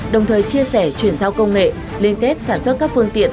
đồng thời chia sẻ chuyển giao công nghệ liên kết sản xuất các phương tiện